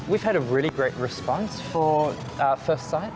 kita telah mendapatkan respon yang sangat bagus untuk first sight